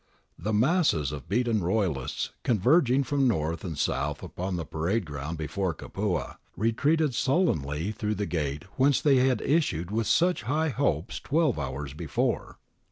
The masses of the beaten Royalists, con verging from north and south upon the parade ground before Capua, retreated sullenly through the gate whence they had issued with such high hopes twelve hours be fore.